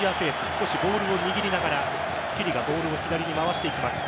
少しボールを握りながらスキリがボールを左に回していきます。